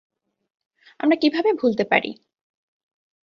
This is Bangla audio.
আমরা কিভাবে ভুলতে পারি?